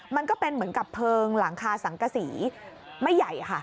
มันก็เป็นเหมือนกับเพลิงหลังคาสังกษีไม่ใหญ่ค่ะ